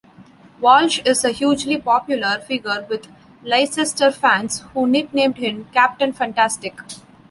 Walsh is a hugely popular figure with Leicester fans, who nicknamed him "Captain Fantastic".